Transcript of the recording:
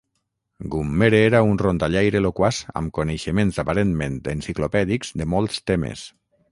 Gummere era un rondallaire loquaç amb coneixements aparentment enciclopèdics de molts temes.